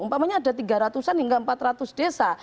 umpamanya ada tiga ratus an hingga empat ratus desa